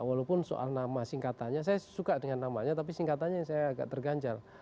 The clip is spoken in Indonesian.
walaupun soal nama singkatannya saya suka dengan namanya tapi singkatannya saya agak terganjal